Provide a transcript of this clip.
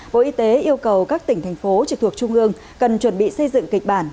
bộ y tế yêu cầu các tỉnh thành phố trực thuộc trung ương cần chuẩn bị xây dựng kịch bản